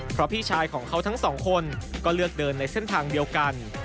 เพราะพี่ชายของเขาทั้งสองคนก็เลือกเดินในเส้นทางเดียวกัน